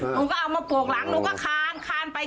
หนูก็เอามาโปกหลังหนูก็คานคานไป